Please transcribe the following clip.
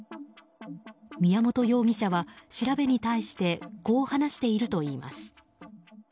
宮本容疑者は調べに対してこう話しているといいます。